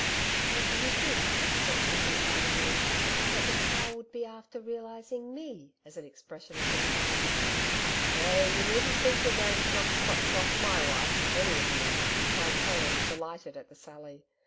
'But do you think,' said she confidingly, 'that the cow would be after realising ME as an expression of the Divine Mind?' 'Eh, you needn't think you're going to knock spots off my wife, any of you,' cried Colin delighted at the sally.